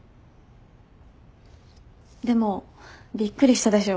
でもびっくりしたでしょ？